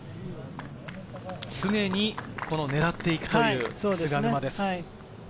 常に狙っていくという菅沼です。